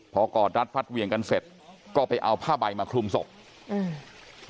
พอกอดรัดฟัดเวียงกันเสร็จก็ไปเอาผ้าใบมาคลุมศพอืม